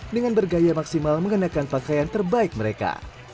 dengan bergaya maksimal mengenakan pakaian terbaik mereka